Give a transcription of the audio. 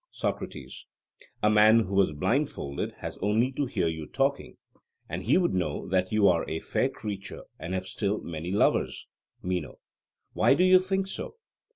SOCRATES: A man who was blindfolded has only to hear you talking, and he would know that you are a fair creature and have still many lovers. MENO: Why do you think so?